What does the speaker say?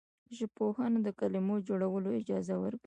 ژبپوهنه د کلمو جوړول اجازه ورکوي.